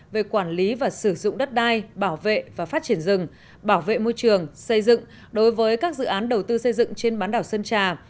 về quản lý và sử dụng đất đai bảo vệ và phát triển rừng bảo vệ môi trường xây dựng đối với các dự án đầu tư xây dựng trên bán đảo sơn trà